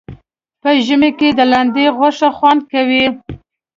په ژمي کې د لاندي غوښه خوند کوي